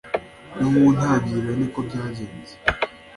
no mu ntangiriro niko byagenze :